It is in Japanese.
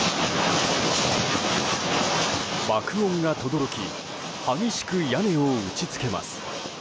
爆音がとどろき激しく屋根を打ち付けます。